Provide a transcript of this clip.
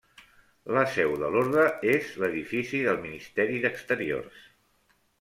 La seu de l'orde és l'edifici del Ministeri d'Exteriors.